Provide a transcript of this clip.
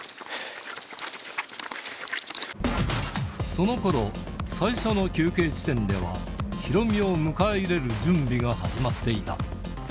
そのころ、最初の休憩地点では、ヒロミを迎え入れる準備が始まっていた。